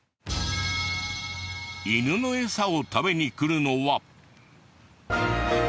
犬のエサを食べに来るのは。